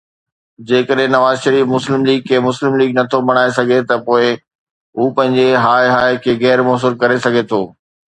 جيڪڏهن نواز شريف مسلم ليگ کي مسلم ليگ نه ٿو بڻائي سگهي ته پوءِ هو پنهنجي ”هاءِ هاءِ“ کي غير موثر ڪري سگهي ٿو.